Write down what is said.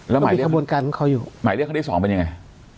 แล้วหมายเรียกขบวนการของเขาอยู่หมายเรียกครั้งที่สองเป็นยังไง